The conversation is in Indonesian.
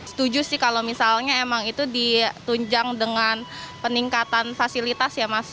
setuju sih kalau misalnya emang itu ditunjang dengan peningkatan fasilitas ya mas